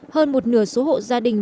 hơn một nửa số hộ gia đình